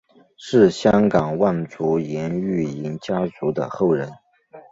是香港望族颜玉莹家族的后人。